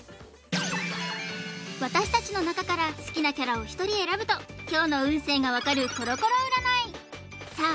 私たちの中から好きなキャラを１人選ぶと今日の運勢が分かるコロコロ占いさあ